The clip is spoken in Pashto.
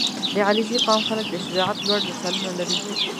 • د علیزي قوم خلک د شجاعت لوړ مثالونه لري.